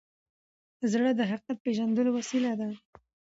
زړه د حقیقت پیژندلو وسیله ده.